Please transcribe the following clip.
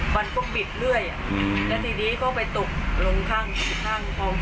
มันก็บิดเรื่อยแล้วทีนี้ก็ไปตกลงข้างเขา